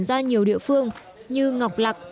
ra nhiều địa phương như ngọc lạc